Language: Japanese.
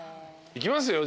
いきますよ